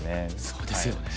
そうですよね。